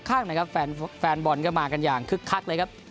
ข้างนะครับแฟนบอลก็มากันอย่างคึกคักเลยครับ